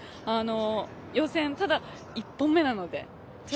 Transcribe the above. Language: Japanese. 予選、ただ１本目なので。